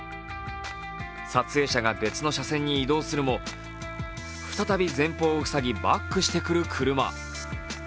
撮影者が別の車線に移動するも再び前方を塞ぎバックしてくる車。